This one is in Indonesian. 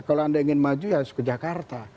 kalau anda ingin maju ya harus ke jakarta